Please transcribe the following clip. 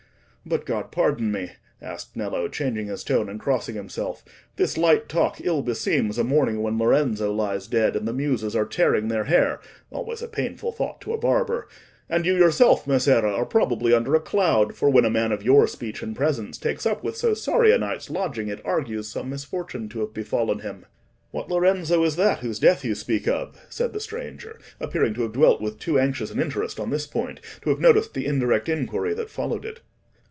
But God pardon me," added Nello, changing his tone, and crossing himself, "this light talk ill beseems a morning when Lorenzo lies dead, and the Muses are tearing their hair—always a painful thought to a barber; and you yourself, Messere, are probably under a cloud, for when a man of your speech and presence takes up with so sorry a night's lodging, it argues some misfortune to have befallen him." "What Lorenzo is that whose death you speak of?" said the stranger, appearing to have dwelt with too anxious an interest on this point to have noticed the indirect inquiry that followed it.